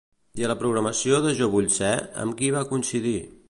I a la programació de Jo vull ser, amb qui va coincidir?